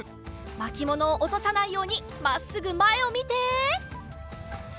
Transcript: まきものをおとさないようにまっすぐまえをみて。